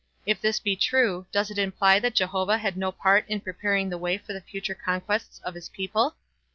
If this be true, does it imply that Jehovah had no part in preparing the way for the future conquests of his people?